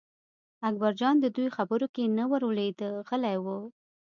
اکبرجان د دوی خبرو کې نه ور لوېده غلی و.